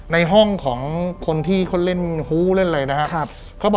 ในห้องของคนที่เขาเล่นฮู้เล่นเลยนะครับ